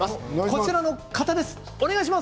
こちらの方です。